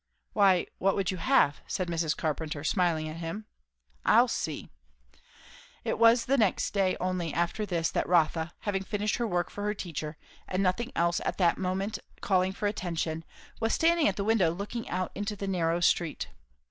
"Why what would you have?" said Mrs. Carpenter, smiling at him. "I'll see." It was the next day only after this that Rotha, having finished her work for her teacher and nothing else at the moment calling for attention, was standing at the window looking out into the narrow street.